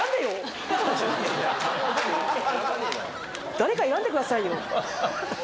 誰か選んでくださいよ